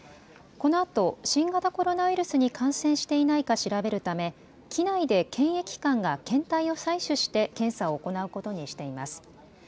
このあと新型コロナウイルスに感染していないか調べるため機内で検疫官が検体を採取して検査を行うことにしています。